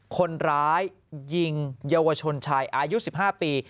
คนร้ายยิงเยาวชนชายอายุ๑๕ปี